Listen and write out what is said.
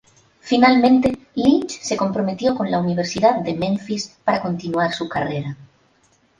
Finalmente, Lynch se comprometió con la Universidad de Memphis para continuar su carrera.